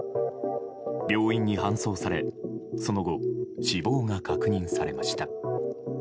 病院に搬送されその後、死亡が確認されました。